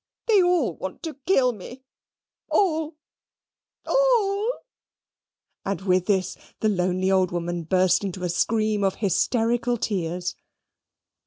They all want to kill me all all" and with this the lonely old woman burst into a scream of hysterical tears.